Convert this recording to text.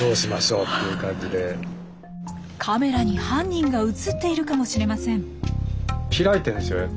カメラに犯人が写っているかもしれません。